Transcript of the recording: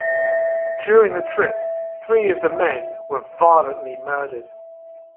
During the trip, three of the men were violently murdered.